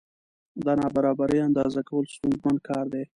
د نابرابرۍ اندازه کول ستونزمن کار دی.